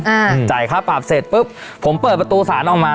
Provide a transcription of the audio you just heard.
อืมจ่ายค่าปรับเสร็จปุ๊บผมเปิดประตูสารออกมา